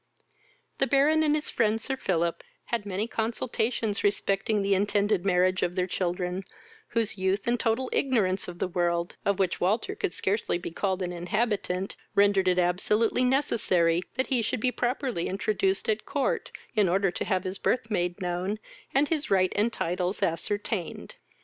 The Baron and his friend, Sir Philip, had many consultations respecting the intended marriage of their children, whose youth and total ignorance of the world, of which Walter could scarcely be called an inhabitant, rendered it absolutely necessary that he should be properly introduced at court, in order to have his birth made known, and his right and titles ascertained.